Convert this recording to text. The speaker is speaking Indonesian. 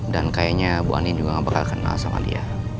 dan kayaknya bu andin juga gak bakal kenal sama dia